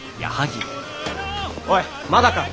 おいまだか！